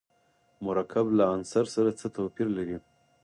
مرکب له عنصر سره څه توپیر لري.